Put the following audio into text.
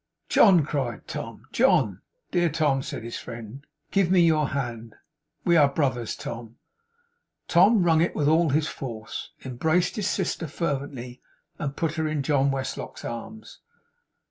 'John!' cried Tom. 'John!' 'Dear Tom,' said his friend, 'give me your hand. We are brothers, Tom.' Tom wrung it with all his force, embraced his sister fervently, and put her in John Westlock's arms.